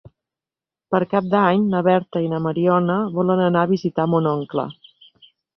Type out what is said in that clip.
Per Cap d'Any na Berta i na Mariona volen anar a visitar mon oncle.